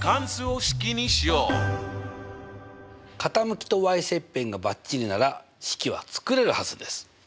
傾きと切片がばっちりなら式は作れるはずです。